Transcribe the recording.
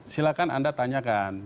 silahkan anda tanyakan